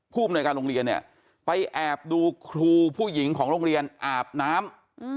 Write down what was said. ผู้อำนวยการโรงเรียนเนี่ยไปแอบดูครูผู้หญิงของโรงเรียนอาบน้ำ